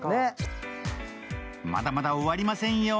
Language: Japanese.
まだまだ終わりませんよ。